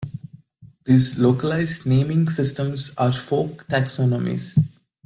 These localised naming systems are folk taxonomies.